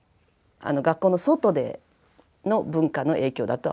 学校の外での文化の影響だとは思います。